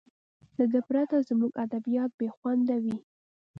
له ده پرته زموږ ادبیات بې خونده وي.